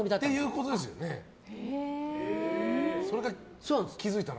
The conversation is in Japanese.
それが気づいたら。